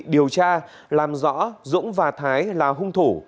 điều tra làm rõ dũng và thái là hung thủ